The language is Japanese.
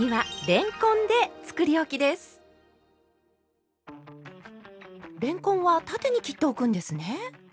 れんこんは縦に切っておくんですね？